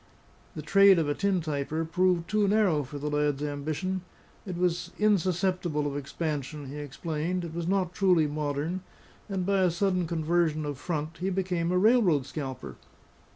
The trade of a tin typer proved too narrow for the lad's ambition; it was insusceptible of expansion, he explained, it was not truly modern; and by a sudden conversion of front, he became a railroad scalper.